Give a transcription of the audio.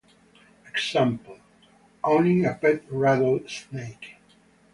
Example: Owning a pet rattle snake.